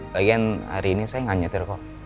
lagian hari ini saya gak nyetir kok